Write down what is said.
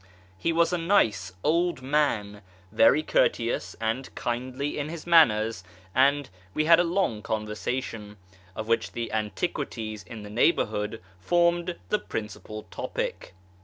He was a nice old man, very courteous and kindly in his manners, and we had a long conversation, of which the antiquities in the neighbourhood formed the principal topic.